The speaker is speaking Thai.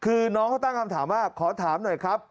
คือน้องเขาตั้งคำถามว่าขอถามหน่อยครับ